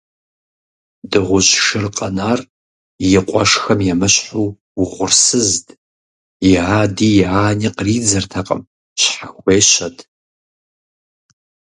Дыгъужь шыр къэнар и къуэшхэм емыщхьу угъурсызт, и ади и ани къридзэртэкъым, щхьэхуещэт.